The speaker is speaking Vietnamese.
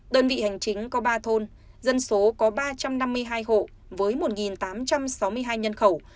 đơn vị hành chính có ba thôn dân số có ba trăm năm mươi hai hộ với một tám trăm sáu mươi hai nhân khẩu